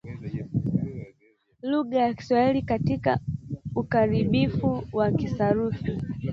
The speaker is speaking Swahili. lugha ya Kiswahili hasa katika ukubalifu wa kisarufi